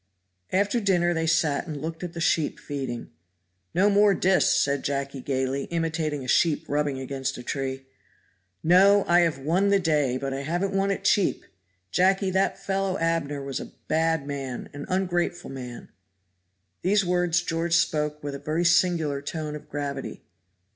After dinner they sat and looked at the sheep feeding. "No more dis," said Jacky gayly, imitating a sheep rubbing against a tree. "No! I have won the day; but I haven't won it cheap. Jacky, that fellow, Abner, was a bad man an ungrateful man." These words George spoke with a very singular tone of gravity.